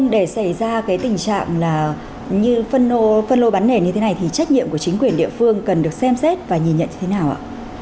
để xảy ra cái tình trạng là như phân lô bán nền như thế này thì trách nhiệm của chính quyền địa phương cần được xem xét và nhìn nhận như thế nào ạ